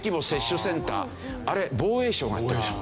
あれ防衛省がやってるでしょ。